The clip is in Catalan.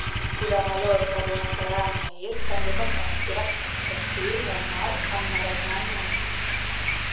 Kudamaloor Karunakaran Nair també tenia les seves classes d'estil del nord amb Naraynan Nair.